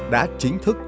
đã chính thức